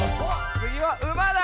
つぎはウマだ！